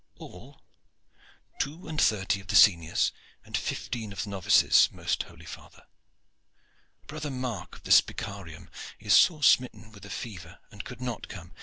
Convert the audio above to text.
"All?" "Two and thirty of the seniors and fifteen of the novices, most holy father. Brother Mark of the Spicarium is sore smitten with a fever and could not come.